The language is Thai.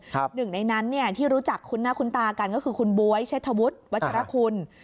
หนึ่งในนั้นเนี่ยที่รู้จักคุ้นหน้าคุ้นตากันก็คือคุณบ๊วยเชษฐวุฒิวัชรคุณ